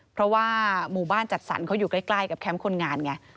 เพราะว่าหมู่บ้านจัดสรรเขาอยู่ใกล้กับแคมป์คนงานไง